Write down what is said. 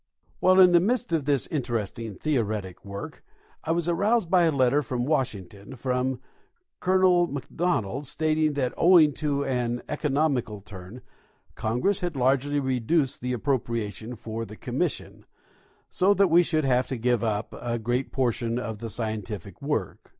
While in the midst of this interesting theoretic work I was aroused by a letter from Washington, from Colonel McDonald, stating that owing to an economical turn, Congress had largely reduced the appropriation for the Commission, so that we should have to give up a great portion of the scientific Avork.